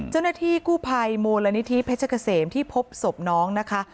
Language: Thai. เจ้าหน้าที่กู้ภัยมูลนิธิเพชรเกษมที่พบศพน้องนะคะ